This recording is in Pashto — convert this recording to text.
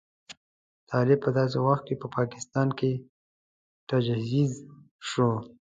طالب په داسې وخت کې په پاکستان کې تجهیز شو.